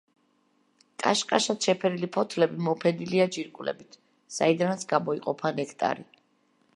კაშკაშად შეფერილი ფოთლები მოფენილია ჯირკვლებით, საიდანაც გამოიყოფა ნექტარი.